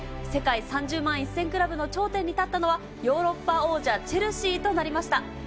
世界３０万１０００クラブの頂点に立ったのは、ヨーロッパ王者・チェルシーとなりました。